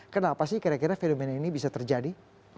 kenapa sih kira kira fenomena ini bisa terjadi